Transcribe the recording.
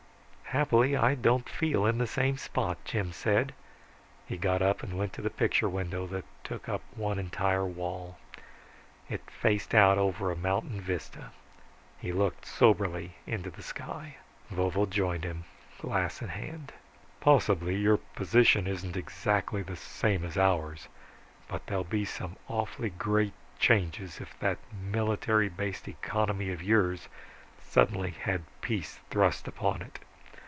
"Happily, I don't feel in the same spot," Jim said. He got up and went to the picture window that took up one entire wall. It faced out over a mountain vista. He looked soberly into the sky. Vovo joined him, glass in hand. "Possibly your position isn't exactly the same as ours but there'll be some awfully great changes if that military based economy of yours suddenly had peace thrust upon it.